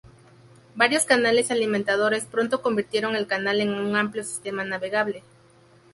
Varios canales alimentadores pronto convirtieron el canal en un amplio sistema navegable.